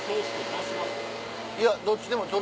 いやどっちでも。